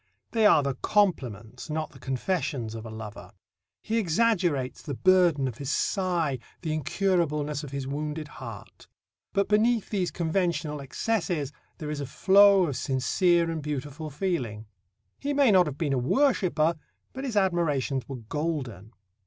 They are the compliments, not the confessions, of a lover. He exaggerates the burden of his sigh, the incurableness of his wounded heart. But beneath these conventional excesses there is a flow of sincere and beautiful feeling. He may not have been a worshipper, but his admirations were golden.